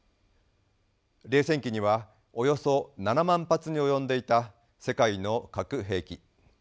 冷戦期にはおよそ７万発に及んでいた世界の核兵器。